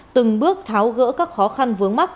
từng bước tháo gỡ các khó khăn vướng mắc